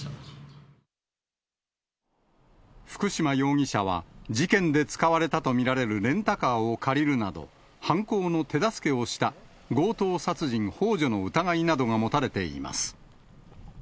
福島容疑者は、事件で使われたと見られるレンタカーを借りるなど、犯行の手助けをした強盗殺人ほう助の疑いなどが持たれています。